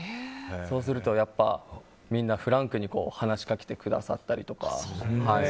そうするとみんなフランクに話しかけてくださったりとか。